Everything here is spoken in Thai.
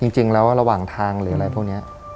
ระหว่างทางหรืออะไรพวกนี้